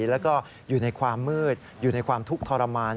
แล้วก็อยู่ในความมืดอยู่ในความทุกข์ทรมาน